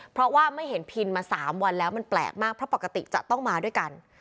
เพราะว่าไม่เห็นพินมา๓วันแล้วมันแปลกมากเพราะปกติจะต้องมาด้วยกัน